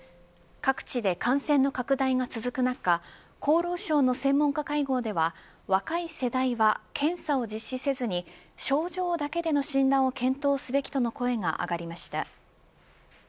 各地で感染の拡大が続く中厚労省の専門家会合では若い世代は検査を実施せずに症状だけでの診断を検討すべきとの声が上がりました。